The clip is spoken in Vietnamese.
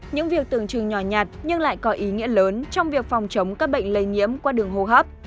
những việc tưởng chừng nhỏ nhạt nhưng lại có ý nghĩa lớn trong việc phòng chống các bệnh lây nhiễm qua đường hô hấp